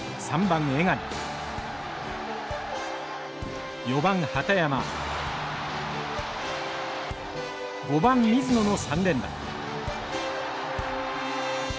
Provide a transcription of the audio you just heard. ３番江上４番畠山５番水野の３連打。